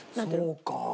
そうか。